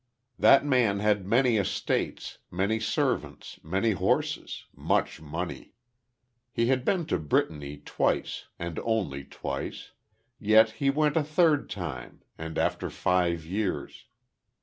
That man had many estates many servants many horses much money. He had been to Brittany twice; and only twice. Yet he went a third time, and after five years.